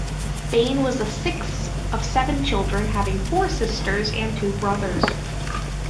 Bain was the sixth of seven children, having four sisters and two brothers.